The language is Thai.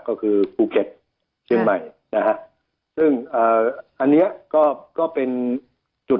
ก็คือภูเก็ตเชียงใหม่นะฮะซึ่งเอ่ออันเนี้ยก็ก็เป็นจุด